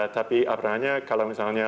tapi apalagi kalau misalnya